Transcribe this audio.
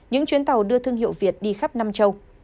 những chuyến tàu đưa thương hiệu việt đi khắp nam châu